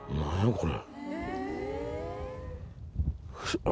これ。